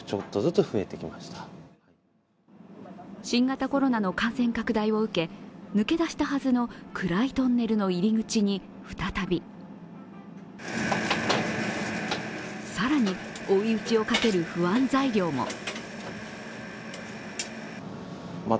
新型コロナの感染拡大を受け抜け出したはずの暗いトンネルの入り口に再び更に追い打ちをかける不安材料も。